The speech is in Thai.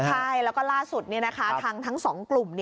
ใช่แล้วก็ล่าสุดทางทั้งสองกลุ่ม